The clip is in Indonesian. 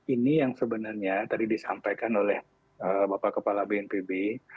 ini yang sebenarnya tadi disampaikan oleh bapak kepala bnpb